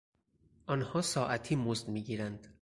آنها ساعتی مزد میگیرند.